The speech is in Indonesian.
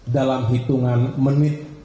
dalam hitungan menit